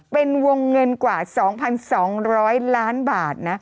เป็นวงเงินกว่า๒๒๐๐ล้านบาทนะ